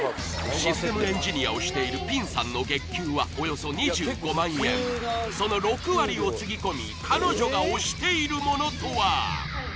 システムエンジニアをしているピンさんの月給はおよそ２５万円その６割をつぎ込み彼女が推しているものとは？